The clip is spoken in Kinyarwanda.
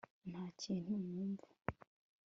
nta kintu numva